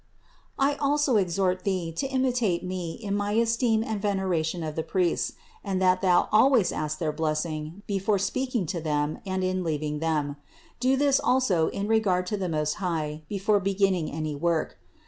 I also exhort thee to imitate me in my esteem and veneration of the priests, and that thou always ask their blessing before speaking to them and in leaving them. Do this also in regard to the Most High before beginning any work.